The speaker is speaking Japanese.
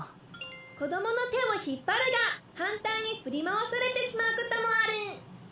子どもの手を引っ張るが反対に振り回されてしまうこともある。